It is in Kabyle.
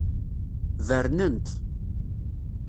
Bernen-t.